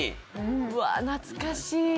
うわあ、懐かしい！